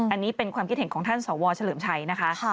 อันนี้เป็นความคิดเห็นของท่านสวเฉลิมชัยนะคะ